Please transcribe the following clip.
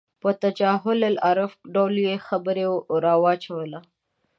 په تجاهل عارفانه ډول یې خبره راواچوله.